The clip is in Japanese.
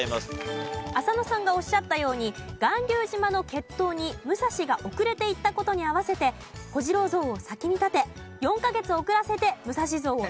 浅野さんがおっしゃったように巌流島の決闘に武蔵が遅れて行った事に合わせて小次郎像を先に建て４カ月遅らせて武蔵像を建てたそうです。